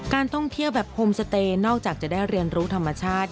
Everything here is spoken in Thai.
การท่องเที่ยวแบบโฮมสเตย์นอกจากจะได้เรียนรู้ธรรมชาติ